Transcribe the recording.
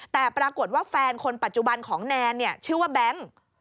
แต่ปรากฏว่าแฟนคนปัจจุบันของแนนชื่อว่าแบงค์